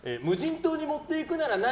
無人島に持っていくなら何？